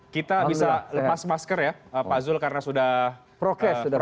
kita bisa lepas masker ya pak zul karena sudah proper